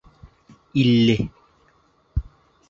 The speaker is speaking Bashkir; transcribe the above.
Илле